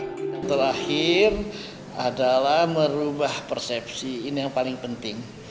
yang terakhir adalah merubah persepsi ini yang paling penting